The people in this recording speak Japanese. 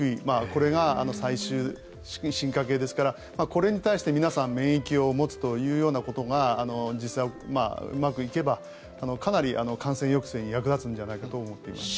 これが最終進化形ですからこれに対して皆さん免疫を持つというようなことが実際うまくいけばかなり感染抑制に役立つんじゃないかと思っています。